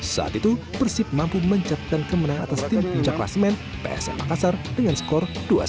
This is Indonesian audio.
saat itu persib mampu mencapkan kemenang atas tim puncak klasemen psm makassar dengan skor dua satu